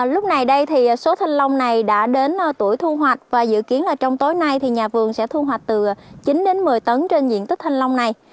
lúc này đây thì số thanh long này đã đến tuổi thu hoạch và dự kiến là trong tối nay thì nhà vườn sẽ thu hoạch từ chín đến một mươi tấn trên diện tích thanh long này